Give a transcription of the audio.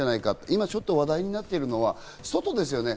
今ちょっと話題になっているのは外ですね。